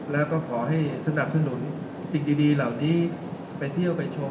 แล้วก็ขอให้สนับสนุนสิ่งดีเหล่านี้ไปเที่ยวไปชม